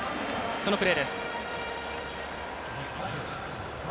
そのプレーです。